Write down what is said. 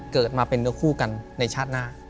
เกิดมาเป็นเนื้อคู่กันในชาติหน้า